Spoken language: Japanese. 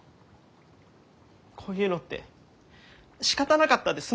こういうのって「しかたなかった」で済ませるんですか？